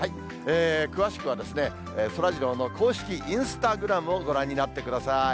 詳しくはそらジローの公式インスタグラムをご覧になってください。